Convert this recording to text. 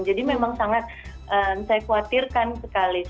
jadi memang sangat saya khawatirkan sekali